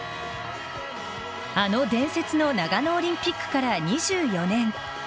あの伝説の長野オリンピックから２４年。